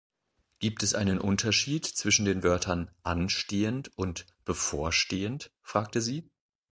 Gibt es einen Unterschied zwischen den Wörtern „anstehend“ und „bevorstehend“? fragte sie